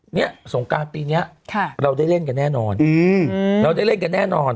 เนี่ยสงการปีนี้เราได้เล่นกันแน่นอนเราได้เล่นกันแน่นอน